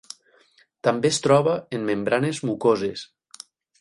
També es troba en membranes mucoses.